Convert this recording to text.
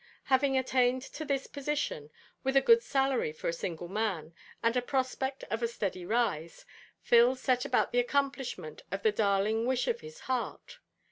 Having attained to this position, with a good salary for a single man, and a prospect of a steady rise, Phil set about the accomplishment of the darling wish of his heart.